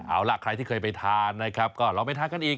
เอาล่ะใครที่เคยไปทานนะครับก็ลองไปทานกันอีก